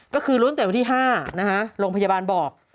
ก็คือล้วนแต่วันที่๕นะฮะโรงพยาบาลบอก